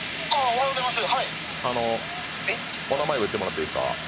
お名前言ってもらっていいですか？